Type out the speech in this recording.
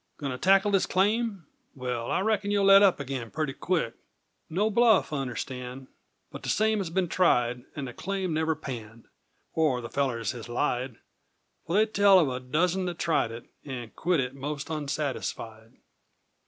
Goin' to tackle this claim? Well, I reckon You'll let up agin purty quick! No bluff, understand, But the same has been tried, And the claim never panned Or the fellers has lied, For they tell of a dozen that tried it, And quit it most onsatisfied.